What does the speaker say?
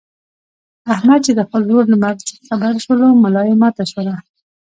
احمد چې د خپل ورور له مرګ څخه خبر شولو ملایې ماته شوله.